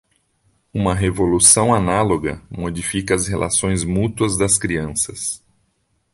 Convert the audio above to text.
Uma revolução análoga modifica as relações mútuas das crianças.